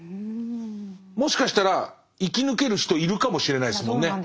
もしかしたら生き抜ける人いるかもしれないですもんね。